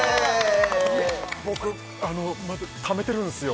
僕あのためてるんですよ